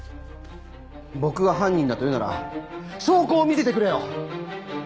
僕が犯人だと言うなら証拠を見せてくれよ！